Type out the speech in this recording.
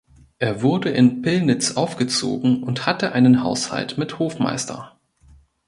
Er wurde in Pillnitz aufgezogen und hatte einen Haushalt mit Hofmeister.